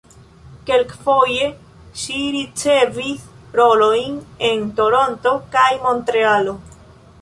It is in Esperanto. Kelkfoje ŝi ricevis rolojn en Toronto kaj Montrealo.